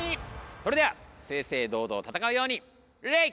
それでは正々堂々戦うように礼！